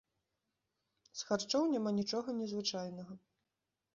З харчоў няма нічога незвычайнага.